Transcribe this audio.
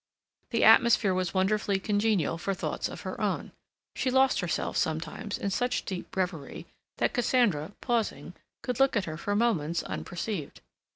The atmosphere was wonderfully congenial for thoughts of her own. She lost herself sometimes in such deep reverie that Cassandra, pausing, could look at her for moments unperceived.